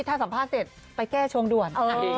ถ้าสัมภาษณ์เสร็จไปแก้ชงด่วน